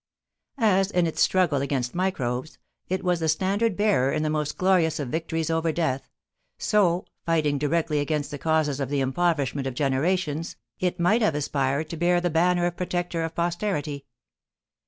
As, in its struggle against microbes, it was the standard bearer in the most glorious of victories over death, so, fighting directly against the causes of the impoverishment of generations, it might have aspired to bear the banner of protector of posterity.